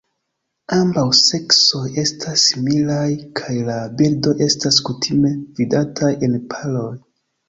Ambaŭ seksoj estas similaj kaj la birdoj estas kutime vidataj en paroj.